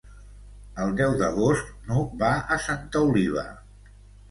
El deu d'agost n'Hug va a Santa Oliva.